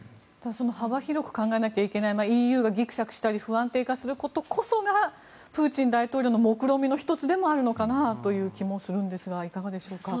幅広く考えなきゃいけないＥＵがぎくしゃくしたり不安定化することこそがプーチン大統領のもくろみの１つでもあるのかなという気がするんですがいかがでしょうか。